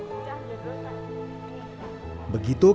sebelum azan subuh berkumandang